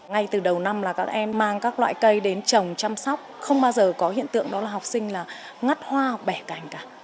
ngay từ đầu năm là các em mang các loại cây đến trồng chăm sóc không bao giờ có hiện tượng đó là học sinh là ngắt hoa bẻ cành cả